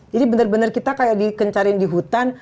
jadi bener bener kita kayak dikencarin di hutan